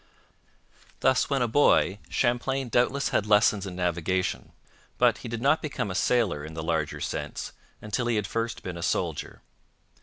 Thus when a boy Champlain doubtless had lessons in navigation, but he did not become a sailor in the larger sense until he had first been a soldier.